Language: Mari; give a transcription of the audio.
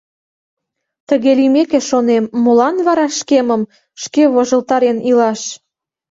Тыге лиймеке, шонем, молан вара шкемым шке вожылтарен илаш?